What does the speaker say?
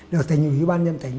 được tỉnh hữu ban nhân tỉnh